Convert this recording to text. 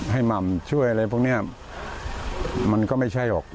หม่ำช่วยอะไรพวกนี้มันก็ไม่ใช่หรอก